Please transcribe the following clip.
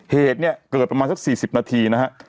เหตุเนี่ยเกิดประมาณสัก๔๐นาทีนะฮะ